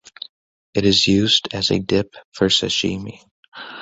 It is used as a dip for sashimi.